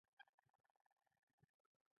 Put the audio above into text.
د هر یوه لپاره به لویه برخه او لویه ګټه وي.